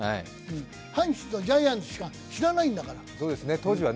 阪神とジャイアンツしか知らないんだから。